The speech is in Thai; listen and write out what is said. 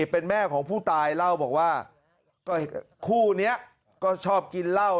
เป็นแม่ของผู้ตายเล่าบอกว่าก็คู่นี้ก็ชอบกินเหล้า